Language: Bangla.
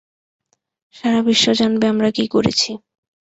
সারা বিশ্ব জানবে আমরা কী করেছি।